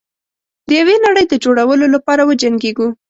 د یوې نړۍ د جوړولو لپاره وجنګیږو.